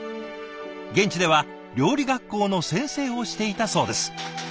現地では料理学校の先生をしていたそうです。